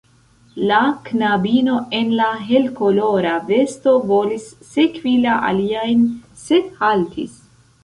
La knabino en la helkolora vesto volis sekvi la aliajn, sed haltis.